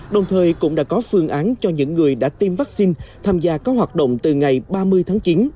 đồng thời cũng đã có phương án cho những người đã tiêm vaccine tham gia các hoạt động từ ngày ba mươi tháng chín